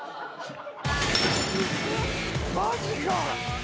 マジか！